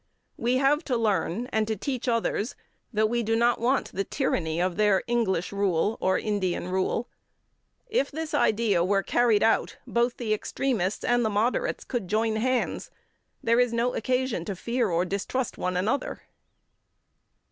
We have to learn, and to teach others, that we do not want the tyranny of their English rule or Indian rule." If this idea were carried out both the extremists and the moderates could join hands. There is no occasion to fear or distrust one another.